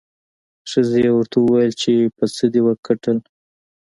ښځې یې ورته وویل چې په څه دې وګټل؟